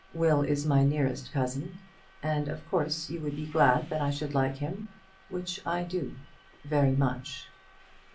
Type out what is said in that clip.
Will is my nearest cousin, and of course you would be glad that I should like him, which I do, very much.